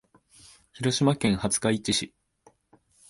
広島県廿日市市